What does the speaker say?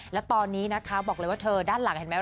และตอนนี้นะคะบอกเลยว่าเธอด้านหลังเห็นไหม